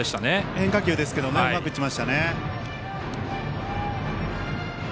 変化球ですけどもねうまく打ちましたね。